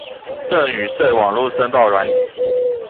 贈與稅網路申報軟體